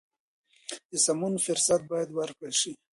د سمون فرصت باید ورکړل شي.